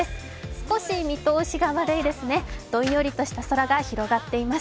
少し見通しが悪いですね、どんよりとした空が広がっています。